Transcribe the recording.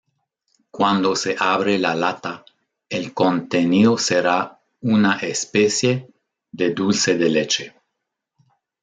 Cuando se abre la lata, el contenido será "una especie" de dulce de leche.